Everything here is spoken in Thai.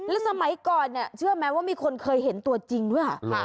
แล้วสมัยก่อนเนี่ยเชื่อไหมว่ามีคนเคยเห็นตัวจริงด้วย